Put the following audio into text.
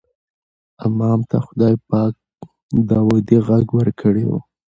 امام ته خدای پاک داودي غږ ورکړی و.